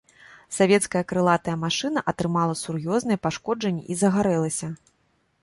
Савецкая крылатая машына атрымала сур'ёзныя пашкоджанні і загарэлася.